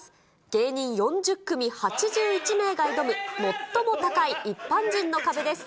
芸人４０組８１名が挑む、最も高い一般人の壁です。